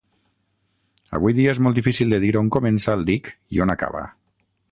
Avui dia és molt difícil de dir on comença el dic i on acaba.